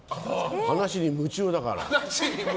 話に夢中だから。